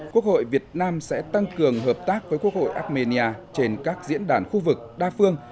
quốc hội việt nam sẽ tăng cường hợp tác với quốc hội armenia trên các diễn đàn khu vực đa phương